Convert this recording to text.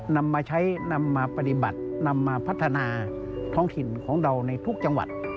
นำมาใช้นำมาปฏิบัตินำมาพัฒนาท้องถิ่นของเราในทุกจังหวัด